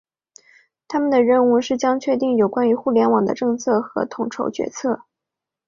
他们的任务将是确定有关于互联网的政策和统筹决策。